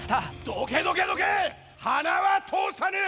どけどけどけ！